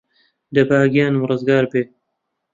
دەبا گیانم رزگار بێ